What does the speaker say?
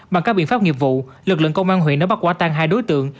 bằng các biện pháp nghiệp vụ lực lượng công an huyện đã bắt quả tan hai đối tượng